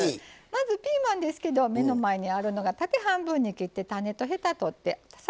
まずピーマンですけど目の前にあるのが縦半分に切って種とヘタ取って更に縦半分に切ってます。